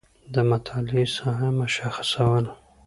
د مطالعې ساحه مشخصول